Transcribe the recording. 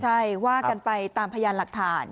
ใช่ว่ากันไปตามพยานหลักฐาน